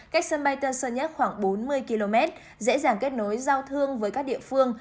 cách sân bay tân sơn nhất khoảng bốn mươi km dễ dàng kết nối giao thương với các địa phương